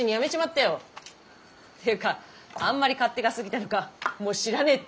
っていうかあんまり勝手がすぎたのかもう知らねえって追い出されちまった。